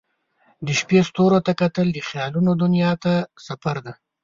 د شپې ستوریو ته کتل د خیالونو دنیا ته سفر دی.